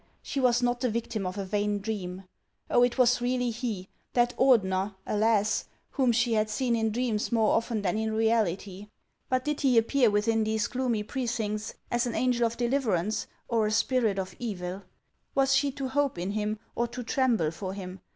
She was not the victim of a vain dream. Oh, it was really he, — that Ordener, alas! whom she had seen HANS OF ICELAND. 445 in dreams more often than in reality. But did he appear within these gloomy precincts as an angel of deliverance, or a spirit of evil ? Was she to hope in him, or to tremble for him